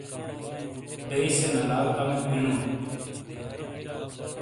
بیئ سے نلا کمیک گینون۔